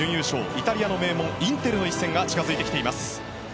イタリアの名門、インテルの一戦が近づいてきています。